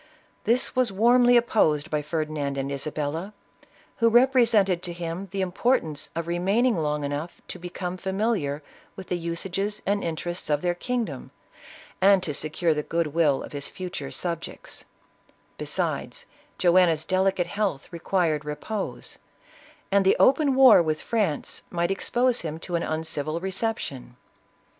This was warmly opposed by Ferdinand and Isabella, who rep resented to him the importance of remaining long enough to become familiar with the usages and inter ests of their kingdom, and to secure the good will of his future subjects; besides, Joanna's delicate health required repose, and the open war with France might expose him to an uncivil reception.